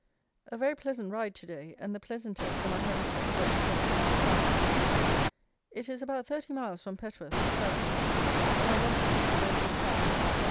A very pleasant ride to day; and the pleasanter for my having set the wet Saint at defiance. It is about thirty miles from Petworth to Fareham; and I got in in very good time.